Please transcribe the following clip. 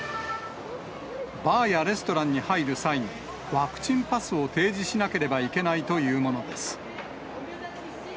バーやレストランに入る際に、ワクチンパスを提示しなければいけないというものです。